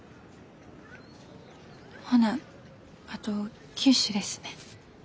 ほなあと９首ですね。